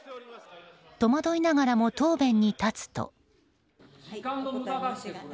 戸惑いながらも答弁に立つと。